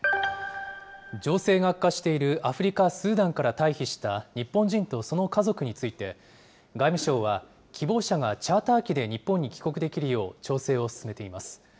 情勢が悪化しているアフリカ・スーダンから退避した日本人とその家族について、外務省は、希望者がチャーター機で日本に帰国できるよう、調整を進めています。